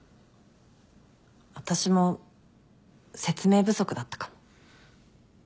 私も説明不足だったかも。